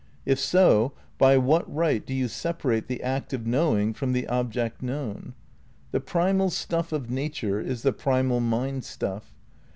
If so, by what right do you separate the act of knowing from the object known ? The primal stuff of nature is the primal mind stuff.